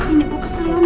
ini bu keselian